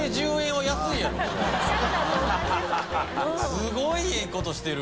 すごいことしてる。